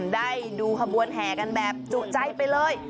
ได้ดูขบวนแห่กันแบบจุใจไปเลย